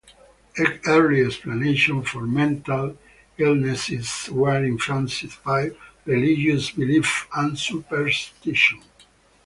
Early explanations for mental illnesses were influenced by religious belief and superstition.